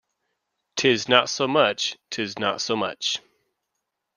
'Tis not so much, 'tis not so much!